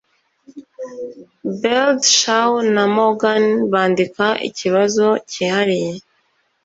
Beardshaw na Morgan bandika ikibazo cyihariye